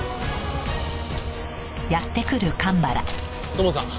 土門さん。